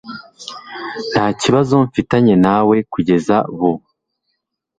Ntakibazo mfitanye nawe kujyeza bubu.